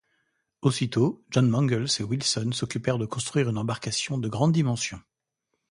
Aussitôt, John Mangles et Wilson s’occupèrent de construire une embarcation de grande dimension.